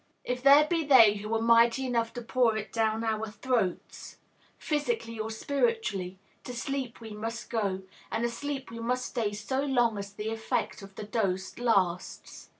If there be they who are mighty enough to pour it down our throats, physically or spiritually, to sleep we must go, and asleep we must stay so long as the effect of the dose lasts.